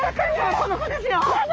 この子ですよ。